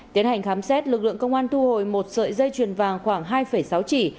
tiến hành khám xét lực lượng công an thu hồi một sợi dây chuyền vàng khoảng hai sáu trị